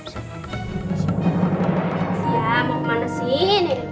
siap mau kemana sini